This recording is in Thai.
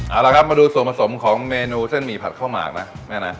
เอาละครับมาดูส่วนผสมของเมนูเส้นหมี่ผัดข้าวหมากนะแม่นะ